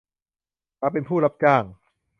มาเป็นผู้รับจ้าง